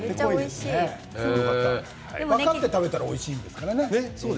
分かって食べたらおいしいですからね。